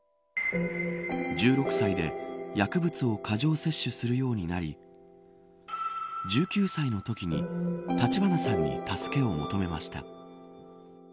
１６歳で薬物を過剰摂取するようになり１９歳のときに橘さんに助けを求めました。